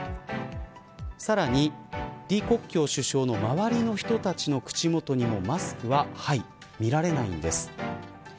さらに李克強首相の周りの人たちの口元にもマスクは見られないんです。